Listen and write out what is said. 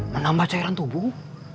menambah cairan tubuh